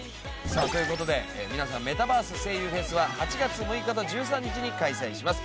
さあという事で皆さんメタバース声優フェスは８月６日と１３日に開催します。